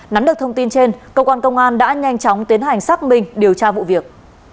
nắn được thông tin trên công an công an đã nhanh chóng tiến hành xác minh điều tra vụ việc